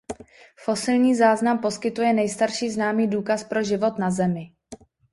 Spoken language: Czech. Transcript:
Fosilní záznam poskytuje nejstarší známý důkaz pro život na Zemi.